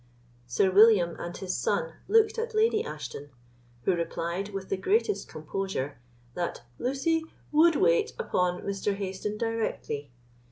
Sir William and his son looked at Lady Ashton, who replied with the greatest composure, "That Lucy would wait upon Mr. Hayston directly.